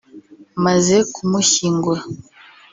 Maze kumushyingura